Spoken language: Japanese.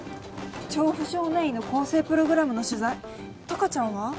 調布少年院の更生プログラムの取材貴ちゃんは？